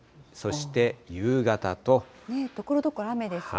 ところどころ雨ですね。